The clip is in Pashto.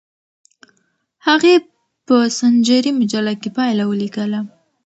هغې په سنچري مجله کې پایله ولیکله.